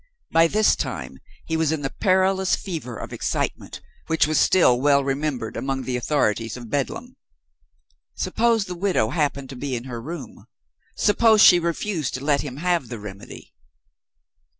By this time, he was in the perilous fever of excitement, which was still well remembered among the authorities of Bedlam. Suppose the widow happened to be in her room? Suppose she refused to let him have the "remedy"?